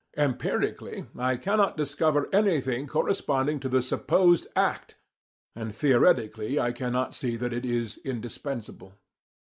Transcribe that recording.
Empirically, I cannot discover anything corresponding to the supposed act; and theoretically I cannot see that it is indispensable.